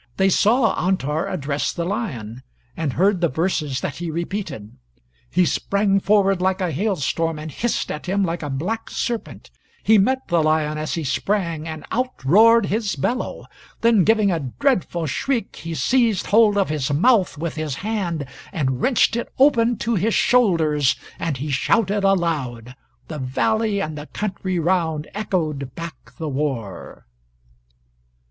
They saw Antar address the lion, and heard the verses that he repeated; he sprang forward like a hailstorm, and hissed at him like a black serpent he met the lion as he sprang and outroared his bellow; then, giving a dreadful shriek, he seized hold of his mouth with his hand, and wrenched it open to his shoulders, and he shouted aloud the valley and the country round echoed back the war.